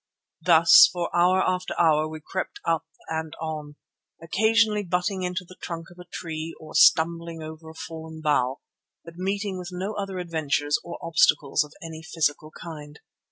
Thus for hour after hour we crept up and on, occasionally butting into the trunk of a tree or stumbling over a fallen bough, but meeting with no other adventures or obstacles of a physical kind.